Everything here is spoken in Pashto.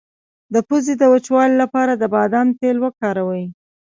د پوزې د وچوالي لپاره د بادام تېل وکاروئ